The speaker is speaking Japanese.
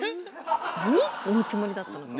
耳のつもりだったのかも。